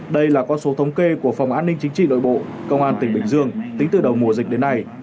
đây là con số thống kê của phòng an ninh chính trị nội bộ công an tỉnh bình dương tính từ đầu mùa dịch đến nay